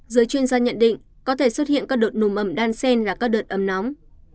giới chuyên gia nhận định có thể xuất hiện các đợt nồm ẩm đan sen là các đợt ấm nóng